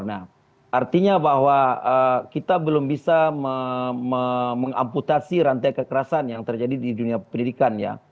nah artinya bahwa kita belum bisa mengamputasi rantai kekerasan yang terjadi di dunia pendidikan ya